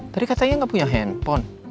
tadi katanya ga punya handphone